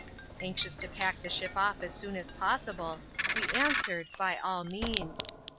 ' Anxious to pack the ship off as soon as possible, we answered, by all means.